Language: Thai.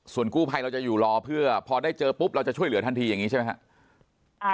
ส่วนกู้ภัยเราจะอยู่รอเพื่อพอได้เจอปุ๊บเราจะช่วยเหลือทันทีอย่างนี้ใช่ไหมครับ